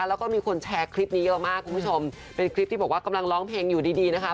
แล้วก็มีคนแชร์คลิปนี้เยอะมากคุณผู้ชมเป็นคลิปที่บอกว่ากำลังร้องเพลงอยู่ดีดีนะคะ